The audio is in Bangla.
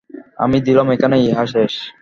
আমি দিলাম, এখানেই উহা শেষ।